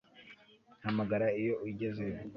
Hamagara iyo ugezeyo